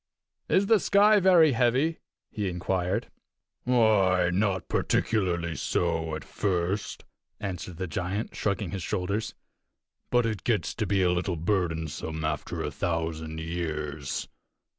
"Is the sky very heavy?" he inquired. "Why, not particularly so at first," answered the giant, shrugging his shoulders, "but it gets to be a little burdensome after a thousand years."